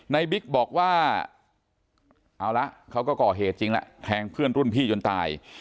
บิ๊กบอกว่าเอาละเขาก็ก่อเหตุจริงแหละแทงเพื่อนรุ่นพี่จนตาย